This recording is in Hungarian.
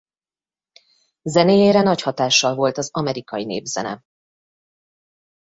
Zenéjére nagy hatással volt az amerikai népzene.